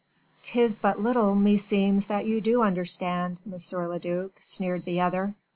"'Tis but little meseems that you do understand, M. le duc," sneered the other.